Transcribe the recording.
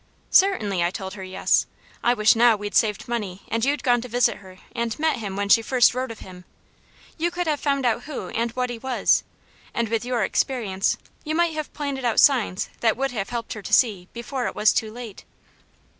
"Certainly I told her yes. I wish now we'd saved money and you'd gone to visit her and met him when she first wrote of him. You could have found out who and what he was, and with your experience you might have pointed out signs that would have helped her to see, before it was too late."